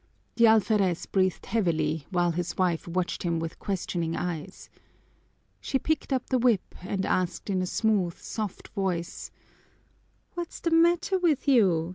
The alferez breathed heavily, while his wife watched him with questioning eyes. She picked up the whip and asked in a smooth, soft voice, "What's the matter with you?